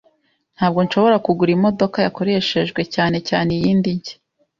Ntabwo nshobora kugura imodoka yakoreshejwe, cyane cyane iyindi nshya.